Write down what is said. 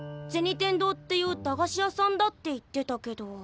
天堂っていう駄菓子屋さんだって言ってたけど。